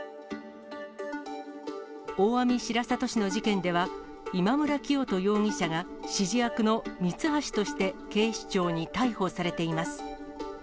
大網白里市の事件では、今村磨人容疑者が指示役のミツハシとして警視庁に逮捕されています。